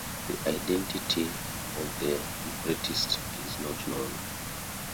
The identity of the librettist is not known.